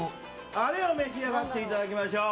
あれを召し上がっていただきましょう。